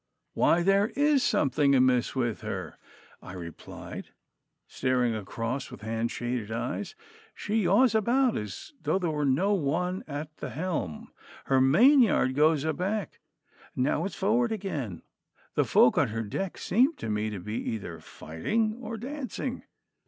'Why, there is something amiss with her,' I replied, staring across with hand shaded eyes. 'She yaws about as though there were no one at the helm. Her main yard goes aback! Now it is forward again! The folk on her deck seem to me to be either fighting or dancing.